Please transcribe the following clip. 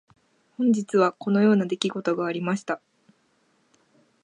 本日はこのような出来事がありました。